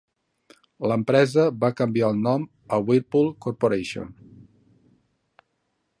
L'empresa va canviar el nom a Whirlpool Corporation.